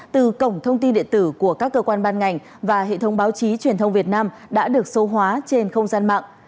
từ cổng thông tin điện tử của các cơ quan ban ngành và hệ thống báo chí truyền thông việt nam đã được số hóa trên không gian mạng